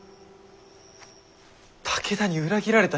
武田に裏切られた